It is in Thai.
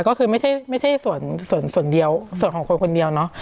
ก็คือไม่ใช่ส่วนเดียวส่วนของคนคนเดียวเนาะ